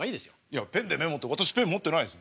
いやペンでメモって私ペン持ってないですよ。